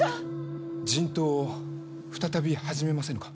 人痘を再び始めませぬか？